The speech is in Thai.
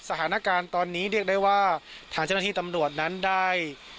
สถานการณ์ตอนนี้เรียกได้ว่าทางเจ้าหน้าที่ตำรวจนั้นได้